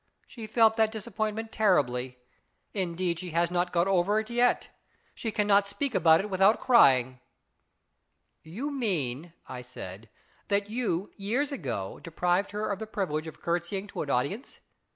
She felt that disappointment terribly ; indeed, she has not got over it yet. She cannot speak about it without crying." " You mean," I said, " that you years ago deprived her of the privilege of curtseying to IS IT A MANf 259 an audience ?